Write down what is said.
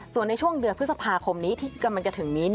ส่วนในช่วงเดือนพฤษภาคมนี้ที่กำลังจะถึงนี้